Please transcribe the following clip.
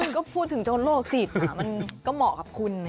ก็พูดถึงโจรโรคจิตอ่ะมันก็เหมาะกับคุณเนี่ย